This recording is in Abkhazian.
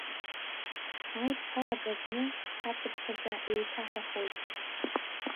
Аидҳәалага зны хәҭацыԥхьаӡа еиҭаҳәахоит…